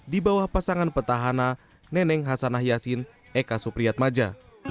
di bawah pasangan petahana neneng hasanah yassin eka supriyat maja